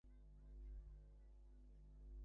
তর সইছে না।